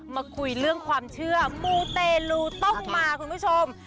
มาคุยเรื่องความเชื่อมูเตลูต้องมาคุณผู้ชม